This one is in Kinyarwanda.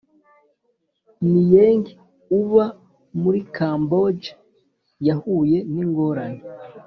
Nieng uba muri Kamboje yahuye n ingorane